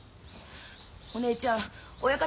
お姉ちゃん親方